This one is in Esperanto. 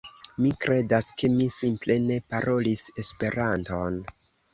Mi kredas, ke mi simple ne parolis Esperanton.